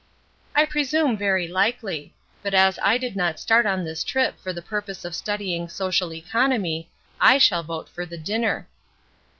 "I presume very likely; but as I did not start on this trip for the purpose of studying social economy, I shall vote for the dinner."